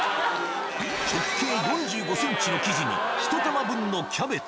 直径４５センチの生地に、１玉分のキャベツ。